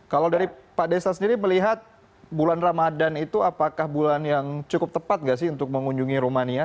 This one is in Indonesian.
kalau dari pak desa sendiri melihat bulan ramadhan itu apakah bulan yang cukup tepat gak sih untuk mengunjungi rumania